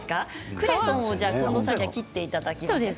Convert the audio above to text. クレソンをその間に切っていただきます。